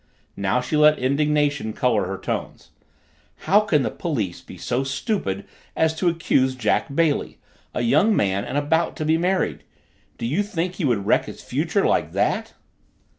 Now she let indignation color her tones. "How can the police be so stupid as to accuse Jack Bailey, a young man and about to be married? Do you think he would wreck his future like that?"